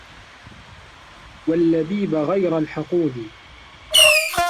وَاللَّبِيبَ غَيْرَ الْحَقُودِ